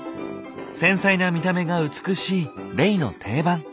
繊細な見た目が美しいレイの定番。